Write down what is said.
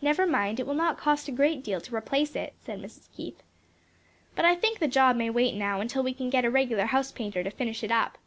"Never mind; it will not cost a great deal to replace it," said Mrs. Keith. "But I think the job may wait now till we can get a regular house painter to finish it up."